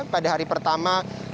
pada hari pertama